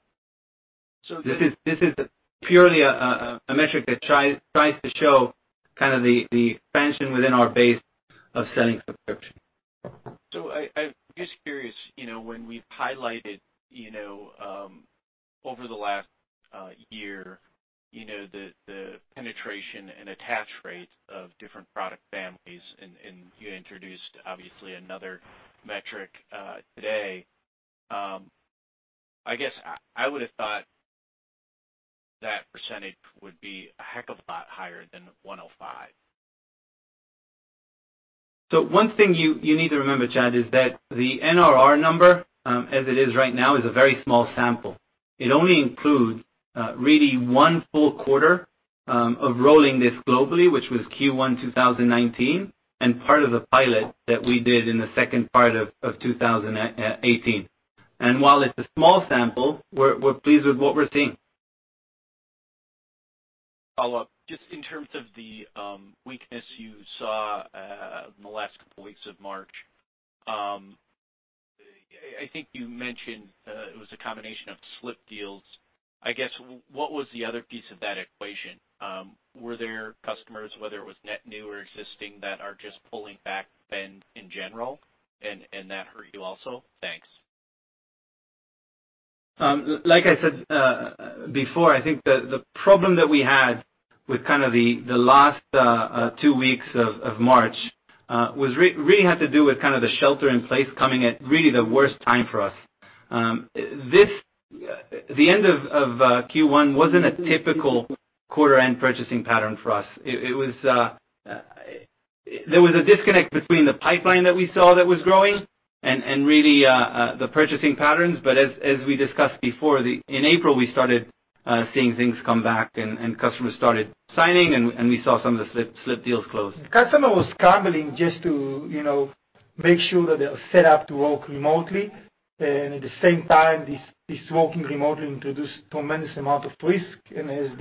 This is purely a metric that tries to show kind of the expansion within our base of selling subscriptions. I'm just curious, when we've highlighted, over the last year, the penetration and attach rate of different product families, and you introduced, obviously, another metric today. I guess I would have thought that percentage would be a heck of a lot higher than 105%. One thing you need to remember, Chad, is that the NRR number, as it is right now, is a very small sample. It only includes really one full quarter of rolling this globally, which was Q1 2019, and part of the pilot that we did in the second part of 2018. While it's a small sample, we're pleased with what we're seeing. Follow-up. Just in terms of the weakness you saw in the last couple weeks of March. I think you mentioned it was a combination of slipped deals. I guess, what was the other piece of that equation? Were there customers, whether it was net new or existing, that are just pulling back spend in general and that hurt you also? Thanks. Like I said before, I think the problem that we had with kind of the last two weeks of March really had to do with kind of the shelter in place coming at really the worst time for us. The end of Q1 wasn't a typical quarter-end purchasing pattern for us. There was a disconnect between the pipeline that we saw that was growing and really the purchasing patterns. As we discussed before, in April, we started seeing things come back, and customers started signing, and we saw some of the slipped deals close. The customer was struggling just to make sure that they are set up to work remotely. At the same time, this working remotely introduced tremendous amount of risk, and as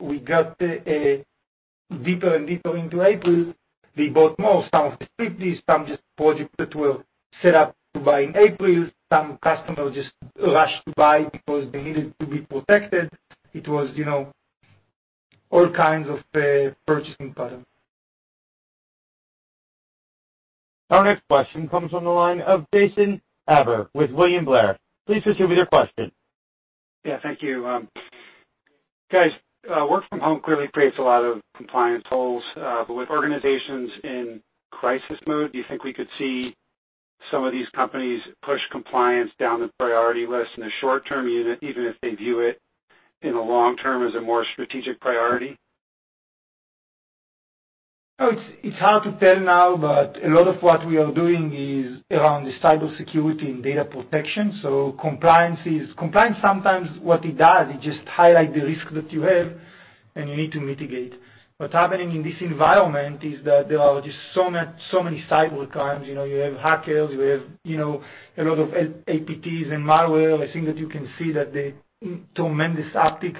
we got deeper and deeper into April, we bought more. Some of the slipped deals, some just projects that were set up to buy in April. Some customers just rushed to buy because they needed to be protected. It was all kinds of purchasing patterns. Our next question comes from the line of Jason Ader with William Blair. Please proceed with your question. Yeah, thank you. Guys, work from home clearly creates a lot of compliance holes, but with organizations in crisis mode, do you think we could see some of these companies push compliance down the priority list in the short term, even if they view it in the long term as a more strategic priority? It's hard to tell now, a lot of what we are doing is around the cybersecurity and data protection. Compliance, sometimes what it does, it just highlights the risk that you have, and you need to mitigate. What's happening in this environment is that there are just so many cyber crimes. You have hackers, you have a lot of APTs and malware. I think that you can see the tremendous uptick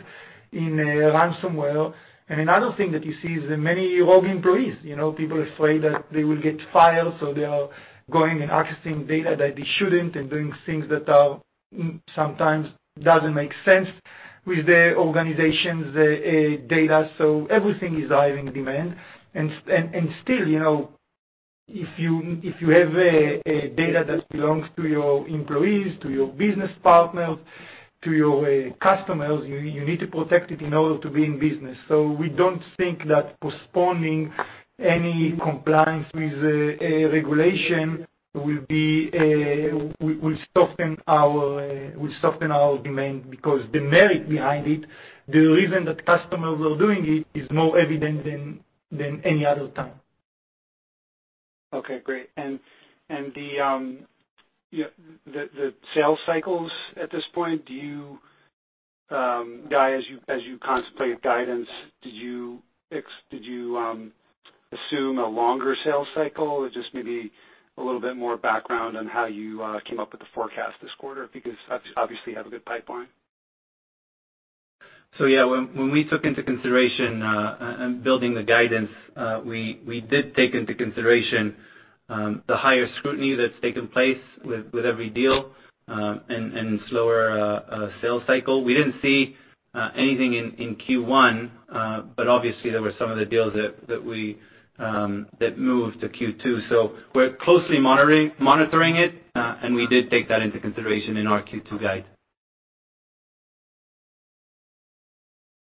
in ransomware. Another thing that you see is that many rogue employees, people are afraid that they will get fired, so they are going and accessing data that they shouldn't and doing things that sometimes doesn't make sense with the organization's data. Everything is high in demand. Still, if you have data that belongs to your employees, to your business partners, to your customers, you need to protect it in order to be in business. We don't think that postponing any compliance with a regulation will soften our demand because the merit behind it, the reason that customers are doing it, is more evident than any other time. Okay, great. The sales cycles at this point, Guy, as you contemplate guidance, did you assume a longer sales cycle or just maybe a little bit more background on how you came up with the forecast this quarter? Because obviously you have a good pipeline. Yeah, when we took into consideration building the guidance, we did take into consideration the higher scrutiny that's taken place with every deal, and slower sales cycle. We didn't see anything in Q1. Obviously, there were some of the deals that moved to Q2. We're closely monitoring it, and we did take that into consideration in our Q2 guide.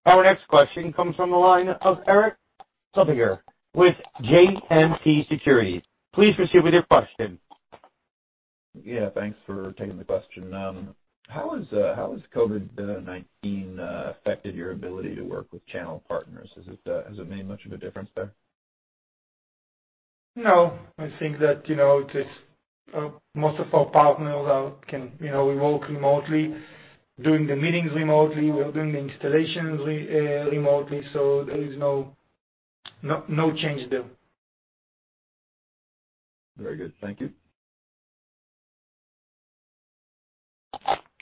Our next question comes from the line of Erik Suppiger with JMP Securities. Please proceed with your question. Yeah, thanks for taking the question. How has COVID-19 affected your ability to work with channel partners? Has it made much of a difference there? No, I think that most of our partners can work remotely, doing the meetings remotely. We are doing the installations remotely, so there is no change there. Very good. Thank you.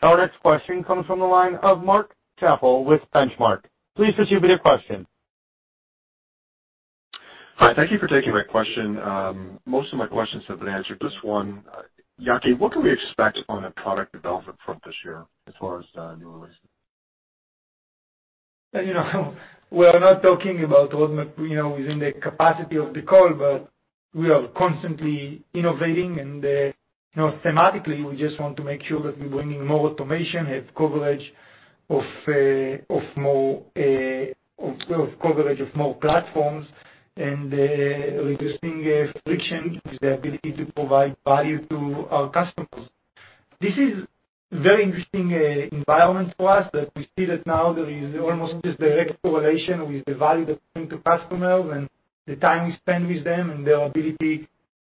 Our next question comes from the line of Mark Schappel with Benchmark. Please proceed with your question. Hi. Thank you for taking my question. Most of my questions have been answered. Just one. Yaki, what can we expect on the product development front this year as far as new releases? We are not talking about what within the capacity of the call, but we are constantly innovating and thematically, we just want to make sure that we're bringing more automation, have coverage of more platforms, and reducing friction with the ability to provide value to our customers. This is very interesting environment for us that we see that now there is almost just direct correlation with the value that we bring to customers and the time we spend with them and their ability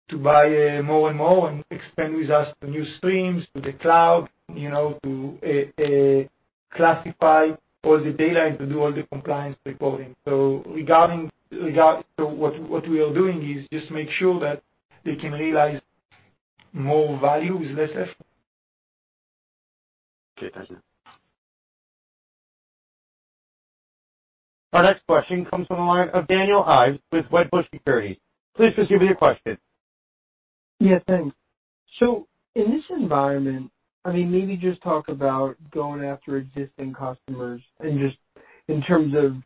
to buy more and more and expand with us to new streams, to the cloud, to classify all the data and to do all the compliance reporting. What we are doing is just make sure that they can realize more value with less effort. Okay. Thanks, man. Our next question comes from the line of Daniel Ives with Wedbush Securities. Please proceed with your question. Yeah, thanks. In this environment, maybe just talk about going after existing customers and just in terms of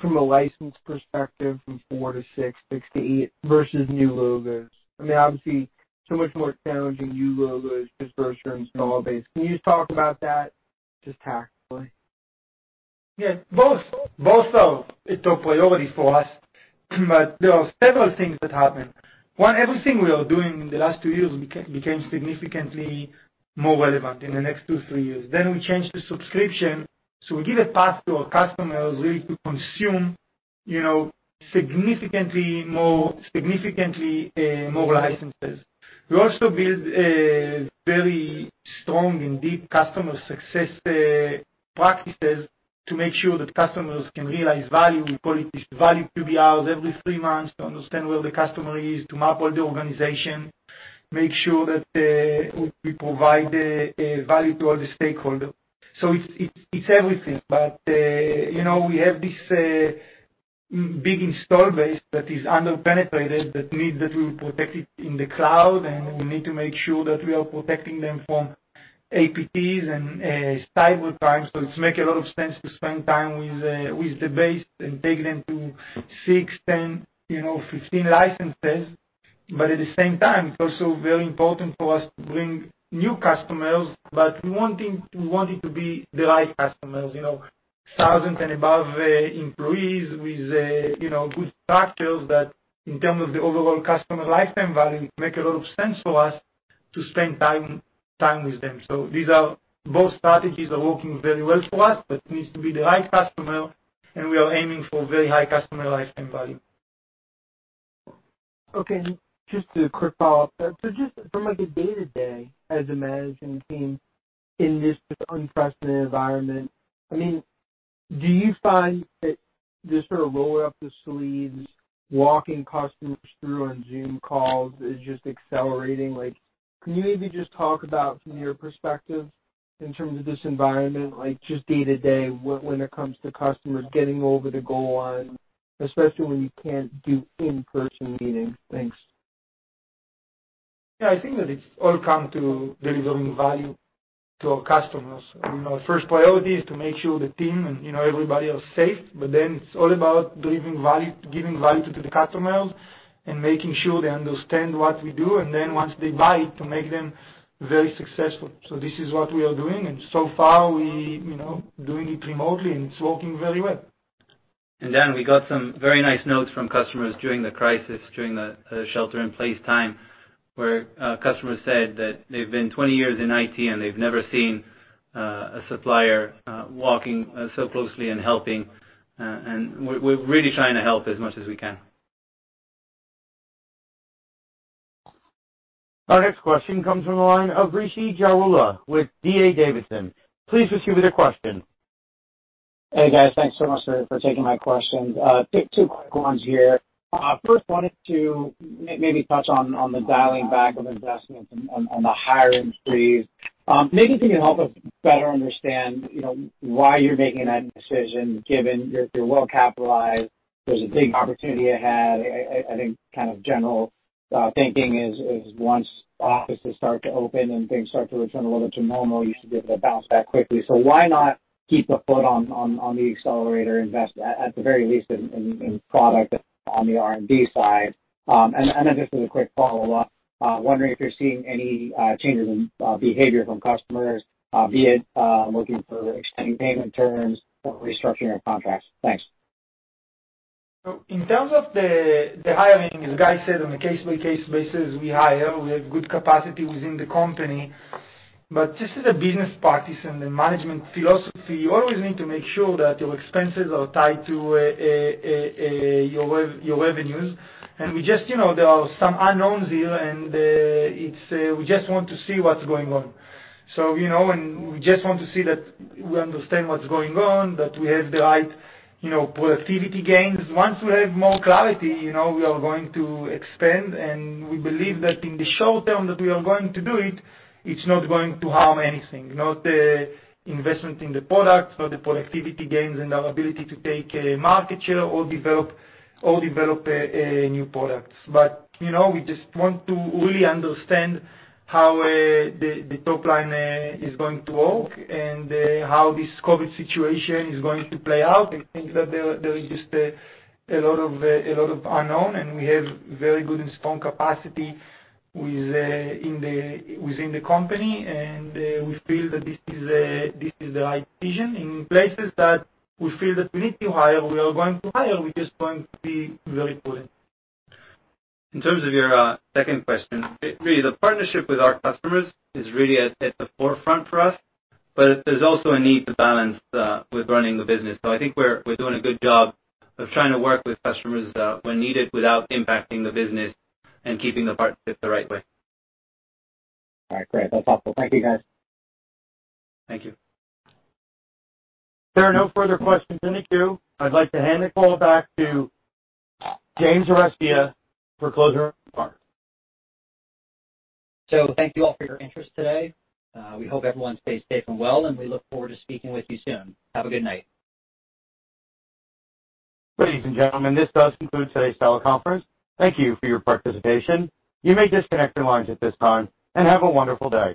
from a license perspective, from four to six to eight versus new logos. Obviously, it's so much more challenging, new logos, dispersed terms, and all base. Can you just talk about that, just tactfully? Yeah. Both are a top priority for us, there are several things that happen. One, everything we are doing in the last two years became significantly more relevant in the next two, three years. We changed the subscription, so we give a path to our customers really to consume significantly more licenses. We also build very strong and deep customer success practices to make sure that customers can realize value. We call it these value three bi-hours every three months to understand where the customer is, to map all the organization, make sure that we provide value to all the stakeholders. It's everything. We have this big install base that is under-penetrated that needs to be protected in the cloud, and we need to make sure that we are protecting them from APTs and stable time. It's making a lot of sense to spend time with the base and take them to six, 10, 15 licenses. At the same time, it's also very important for us to bring new customers. We want it to be the right customers, thousands and above employees with good factors that, in terms of the overall customer lifetime value, make a lot of sense for us to spend time with them. Both strategies are working very well for us, but it needs to be the right customer, and we are aiming for very high customer lifetime value. Okay. Just a quick follow-up. Just from, like, a day-to-day as a management team in this unprecedented environment, do you find that just sort of rolling up the sleeves, walking customers through on Zoom calls is just accelerating? Can you maybe just talk about, from your perspective in terms of this environment, like just day-to-day when it comes to customers getting over the goal line, especially when you can't do in-person meetings? Thanks. I think that it's all come to delivering value to our customers. Our first priority is to make sure the team and everybody is safe. Then it's all about giving value to the customers and making sure they understand what we do, and then once they buy it, to make them very successful. This is what we are doing, and so far we doing it remotely, and it's working very well. Dan, we got some very nice notes from customers during the crisis, during the shelter-in-place time, where customers said that they've been 20 years in IT, and they've never seen a supplier walking so closely and helping. We're really trying to help as much as we can. Our next question comes from the line of Rishi Jaluria with D.A. Davidson. Please proceed with your question. Hey, guys. Thanks so much for taking my questions. Two quick ones here. First, wanted to maybe touch on the dialing back of investments on the hiring freeze. Maybe if you can help us better understand why you're making that decision, given you're well-capitalized, there's a big opportunity ahead. I think kind of general thinking is once offices start to open and things start to return a little bit to normal, you should be able to bounce back quickly. Why not keep the foot on the accelerator, invest at the very least in product on the R&D side? Just as a quick follow-up, wondering if you're seeing any changes in behavior from customers, be it looking for extending payment terms or restructuring of contracts. Thanks. In terms of the hiring, as Guy said, on a case-by-case basis, we hire. We have good capacity within the company. This is a business practice and a management philosophy. You always need to make sure that your expenses are tied to your revenues. There are some unknowns here, and we just want to see what's going on. We just want to see that we understand what's going on, that we have the right productivity gains. Once we have more clarity, we are going to expand, and we believe that in the short term that we are going to do it's not going to harm anything, not the investment in the product, not the productivity gains and our ability to take a market share or develop a new product. We just want to really understand how the top line is going to work and how this COVID situation is going to play out. I think that there is just a lot of unknown, and we have very good and strong capacity within the company, and we feel that this is the right decision. In places that we feel that we need to hire, we are going to hire. We're just going to be very prudent. In terms of your second question, really, the partnership with our customers is really at the forefront for us. There's also a need to balance with running the business. I think we're doing a good job of trying to work with customers when needed without impacting the business and keeping the partnership the right way. All right, great. That's helpful. Thank you, guys. Thank you. There are no further questions in the queue. I'd like to hand the call back to James Arestia for closing remarks. Thank you, all, for your interest today. We hope everyone stays safe and well, and we look forward to speaking with you soon. Have a good night. Ladies and gentlemen, this does conclude today's teleconference. Thank you for your participation. You may disconnect your lines at this time, and have a wonderful day.